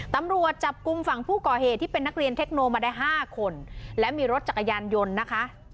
ตำรวจจับกลุ่มฝั่งผู้ก่อเหตุที่เป็นนักเรียนเทคโนมาได้ห้าคนและมีรถจักรยานยนต์นะคะ